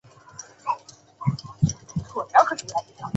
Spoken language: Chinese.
我愿永远沈溺其中